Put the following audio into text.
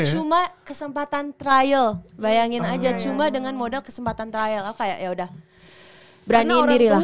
belum cuma kesempatan trial bayangin aja cuma dengan modal kesempatan trial aku kayak yaudah beraniin dirilah